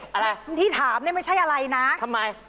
อะไรที่ถามเนี่ยไม่ใช่อะไรนะทำไม